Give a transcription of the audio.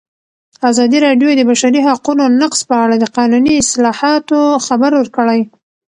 ازادي راډیو د د بشري حقونو نقض په اړه د قانوني اصلاحاتو خبر ورکړی.